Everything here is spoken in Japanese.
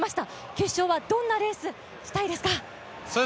決勝はどんなレースしたいですか？